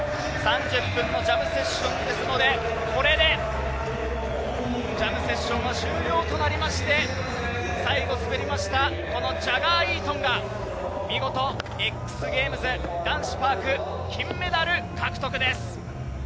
３０分のジャムセッションですので、これでジャムセッションは終了となりまして、最後滑りました、このジャガー・イートンが見事、ＸＧａｍｅｓ男子パーク金メダル獲得です。